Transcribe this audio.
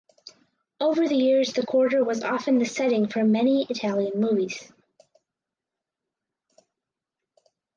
Over the years the quarter was often the setting for many Italian movies.